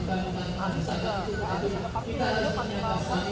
merupakan pahala jadinya besar besar